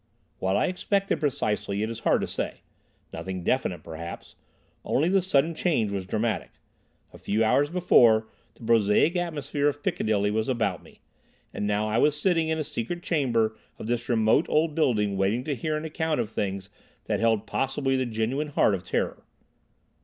What I expected precisely, it is hard to say. Nothing definite, perhaps. Only the sudden change was dramatic. A few hours before the prosaic atmosphere of Piccadilly was about me, and now I was sitting in a secret chamber of this remote old building waiting to hear an account of things that held possibly the genuine heart of terror.